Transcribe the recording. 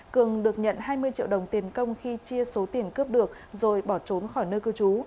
cường được nhận hai mươi triệu đồng tiền công khi chia số tiền cướp được rồi bỏ trốn khỏi nơi cư trú